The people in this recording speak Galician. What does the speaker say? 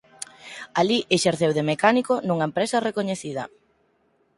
Alí exerceu de mecánico nunha empresa recoñecida.